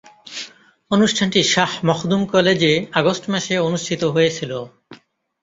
অনুষ্ঠানটি শাহ মখদুম কলেজে আগস্ট মাসে অনুষ্ঠিত হয়েছিলো।